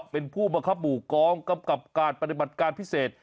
เป็นผู้บริษฐ์หมู่กองคำกัดปฏิบัติการพิเศษ